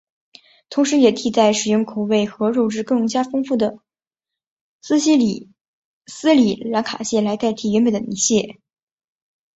同时也替代使用口味和肉质更加丰富的斯里兰卡蟹来代替原本的泥蟹。